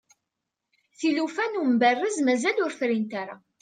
tilufa n umberrez mazal ur frint ara